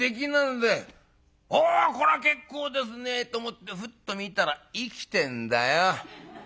『おこら結構ですね』と思ってフッと見たら生きてんだよ。